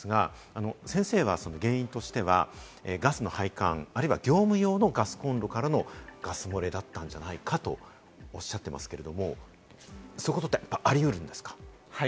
先生は原因としてはガスの配管、あるいは業務用のガスコンロからのガス漏れだったんじゃないかとおっしゃっていますけれども、そういうことってありうるんですか？